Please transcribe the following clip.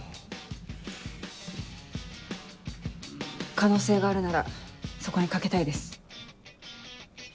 可能性があるならそこにかけたいです。